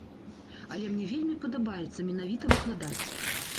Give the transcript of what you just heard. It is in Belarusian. Але мне вельмі падабаецца менавіта выкладаць.